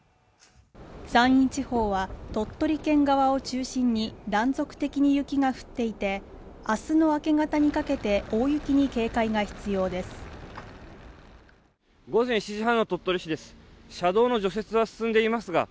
山陰地方は鳥取県側を中心に断続的に雪が降っていてあすの明け方にかけて大雪に警戒が必要です